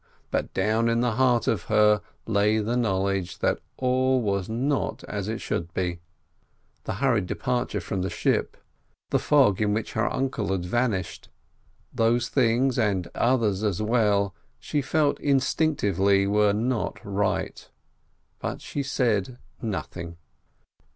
But down in the heart of her lay the knowledge that all was not as it should be. The hurried departure from the ship, the fog in which her uncle had vanished, those things, and others as well, she felt instinctively were not right. But she said nothing.